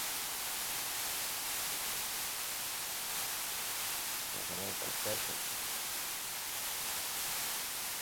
It provides water supply, flood control and a new lifestyle attraction.